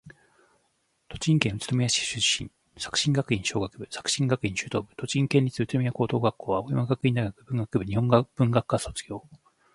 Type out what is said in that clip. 栃木県宇都宮市出身。作新学院小学部、作新学院中等部、栃木県立宇都宮高等学校、青山学院大学文学部日本文学科卒業。